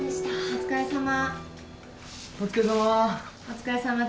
お疲れさま。